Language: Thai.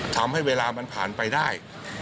ทำให้เวลามันผ่านไปได้